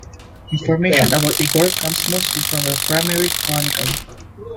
Information about Igor comes mostly from the "Primary Chronicle".